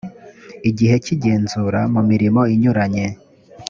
gihe cy igenzura mu mirimo inyuranye